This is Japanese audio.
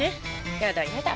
やだやだ。